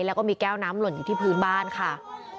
แล้วก็มีแก้วน้ำหล่นอยู่ที่พื้นบ้านค่ะ